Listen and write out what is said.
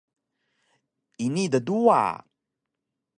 Ini tduwa!